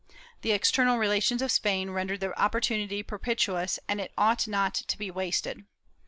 The external relations of Spain rendered the opportunity propitious and it ought not to be wasted.